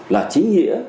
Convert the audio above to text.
là chính nghĩa